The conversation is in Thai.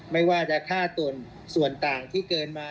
ไม่ว่าจะค่าส่วนต่างที่เกินมา